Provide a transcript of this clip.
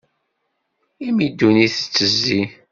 Imi ddunit tettezzi.